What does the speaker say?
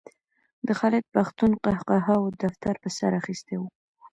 د خالد پښتون قهقهاوو دفتر په سر اخیستی و.